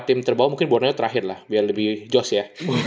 empat team terbawah mungkin borneo terakhir lah biar lebih joss ya